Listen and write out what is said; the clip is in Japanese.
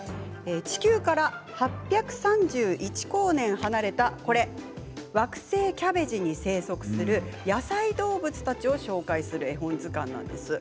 地球から８３１光年離れたわくせいキャベジに生息する野菜動物たちを紹介する絵本図鑑なんです。